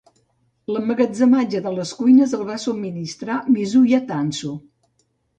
L'emmagatzematge de les cuines el va subministrar "mizuya tansu".